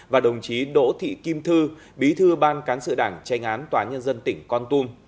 và đồng chí đỗ thị kim thư bí thư ban cán sự đảng tranh án tòa nhân dân tỉnh con tum